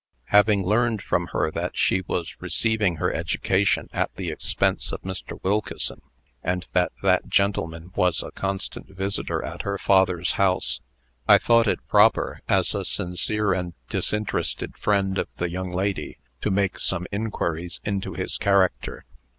"Having learned from her that she was receiving her education at the expense of Mr. Wilkeson, and that that gentleman was a constant visitor at her father's house I thought it proper, as a sincere and disinterested friend of the young lady, to make some inquiries into his character.